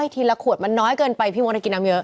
ทีละขวดมันน้อยเกินไปพี่มดกินน้ำเยอะ